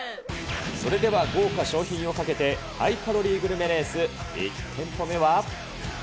それでは豪華賞品をかけて、ハイカロリーグルメレース、１店舗目は。